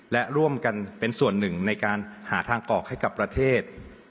และร่วมกันเป็นส่วนหนึ่งในการหาทางออกให้กับประเทศ